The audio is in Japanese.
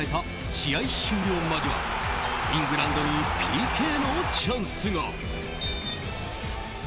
試合終了間際イングランドにＰＫのチャンスが。